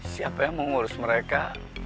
siapa yang mengurus mereka